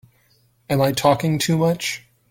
Am I talking too much?